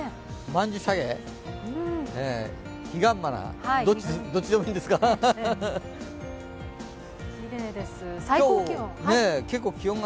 曼珠沙華、彼岸花、どっちでもいいんですが。